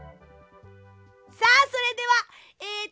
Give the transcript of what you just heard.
さあそれではえっとね